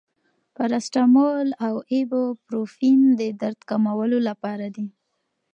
پاراسټامول او ایبوپروفین د درد کمولو لپاره دي.